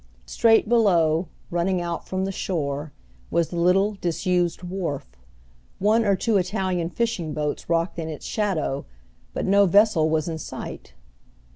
Straight below, running out from the shore, was the little disused wharf. One or two Italian fishing boats rocked in its shadow, but no vessel was in sight.